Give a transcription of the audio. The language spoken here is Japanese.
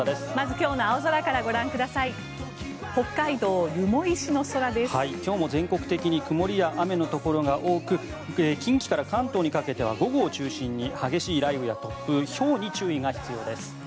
今日も全国的に曇りや雨のところが多く近畿から関東にかけては午後を中心に激しい雷雨や突風、ひょうに注意が必要です。